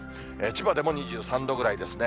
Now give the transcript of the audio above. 千葉でも２３度ぐらいですね。